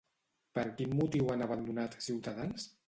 Per quin motiu han abandonat Ciutadans?